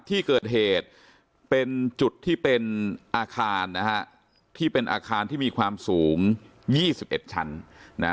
ที่เกิดเหตุเป็นจุดที่เป็นอาคารนะฮะที่เป็นอาคารที่มีความสูง๒๑ชั้นนะ